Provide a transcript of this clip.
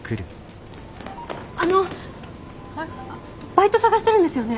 バイト探してるんですよね？